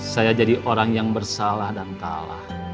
saya jadi orang yang bersalah dan kalah